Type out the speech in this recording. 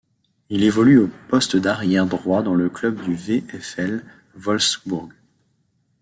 Il évolue au poste d'arrière droit dans le club du VfL Wolfsbourg.